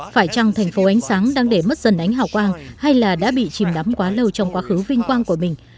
phải chăng thành phố ánh sáng đang để mất dần ánh hào quang hay là đã bị chìm đắm quá lâu trong quá khứ vinh quang của mình